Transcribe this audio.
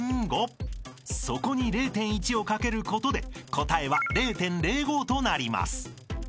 ［そこに０．１をかけることで答えは０．０５となります］